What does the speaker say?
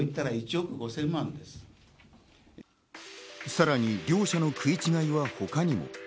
さらに、両者の食い違いは他にも。